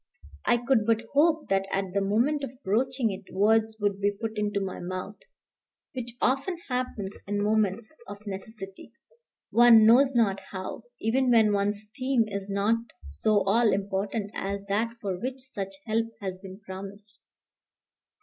I could but hope that, at the moment of broaching it, words would be put into my mouth, which often happens in moments of necessity, one knows not how, even when one's theme is not so all important as that for which such help has been promised.